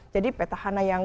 jadi petahana yang